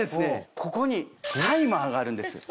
ここにタイマーがあるんです。